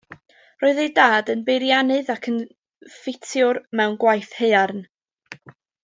Roedd ei dad yn beiriannydd ac yn ffitiwr mewn gwaith haearn.